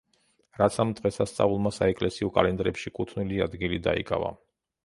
რაც ამ დღესასწაულმა საეკლესიო კალენდრებში კუთვნილი ადგილი დაიკავა.